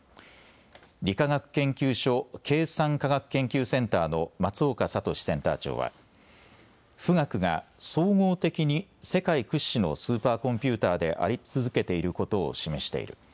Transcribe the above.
理化学研究所計算科学研究センターの松岡聡センター長は富岳が総合的に世界屈指のスーパーコンピューターであり続けていることを示している。